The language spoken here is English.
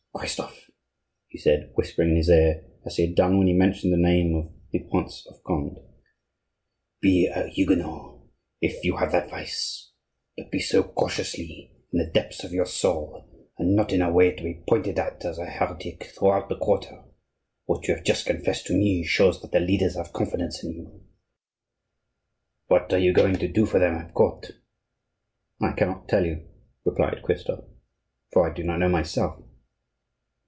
"Christophe," he said, whispering in his ear as he had done when he mentioned the name of the Prince of Conde, "be a Huguenot, if you have that vice; but be so cautiously, in the depths of your soul, and not in a way to be pointed at as a heretic throughout the quarter. What you have just confessed to me shows that the leaders have confidence in you. What are you going to do for them at court?" "I cannot tell you that," replied Christophe; "for I do not know myself."